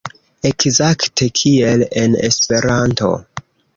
Ekzakte kiel en Esperanto.